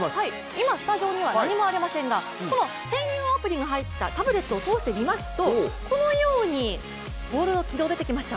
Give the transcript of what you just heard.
今、スタジオには何もありませんがこの専用アプリが入ったタブレットを通して見ますとこのようにボールの軌道が出てきました。